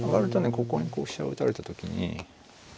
ここにこう飛車を打たれた時に。